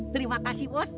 terima kasih bos